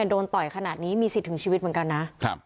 โดนต่อยขนาดนี้มีสิทธิ์ถึงชีวิตเหมือนกันนะ